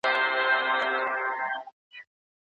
د کلي د ځمکو پخوانۍ جګړې اوس ټولې پای ته رسېدلي دي.